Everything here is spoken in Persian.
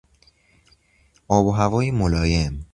آب و هوای ملایم